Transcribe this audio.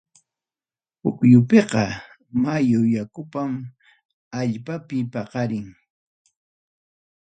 Pukyupiqa, mayu yakupam allpapi paqarin.